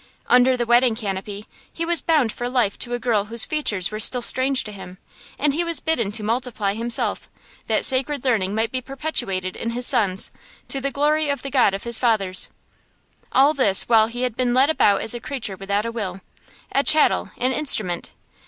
Under the wedding canopy he was bound for life to a girl whose features were still strange to him; and he was bidden to multiply himself, that sacred learning might be perpetuated in his sons, to the glory of the God of his fathers. All this while he had been led about as a creature without a will, a chattel, an instrument.